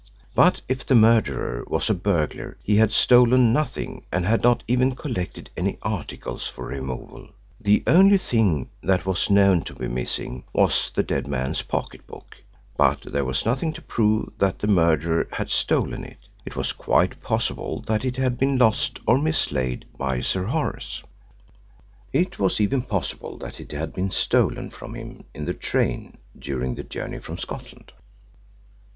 But if the murderer was a burglar he had stolen nothing and had not even collected any articles for removal. The only thing that was known to be missing was the dead man's pocket book, but there was nothing to prove that the murderer had stolen it. It was quite possible that it had been lost or mislaid by Sir Horace; it was even possible that it had been stolen from him in the train during his journey from Scotland.